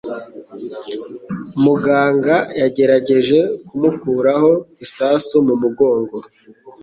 Muganga yagerageje kumukuraho isasu mumugongo.